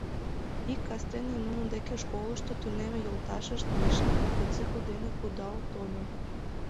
Ик кастене нунын деке школышто тунемме йолташышт, Миша, мотоцикл дене кудал тольо.